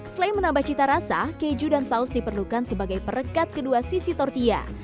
selain menambah cita rasa keju dan saus diperlukan sebagai perekat kedua sisi tortilla